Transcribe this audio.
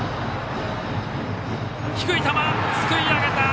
低い球、すくい上げた。